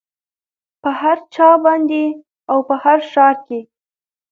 په هر چا باندې او په هر ښار کې